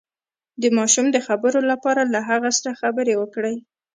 د ماشوم د خبرو لپاره له هغه سره خبرې وکړئ